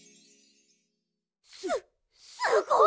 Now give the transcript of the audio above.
すすごい。